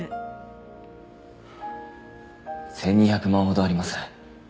１２００万ほどあります。